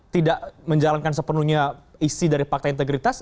tidak menjalankan sepenuhnya isi dari fakta integritas